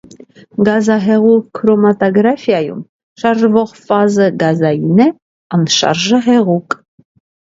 Գազահեղուկ քրոմատագրաֆիայում շարժվող ֆազը գազային Է, անշարժը՝ հեղուկ։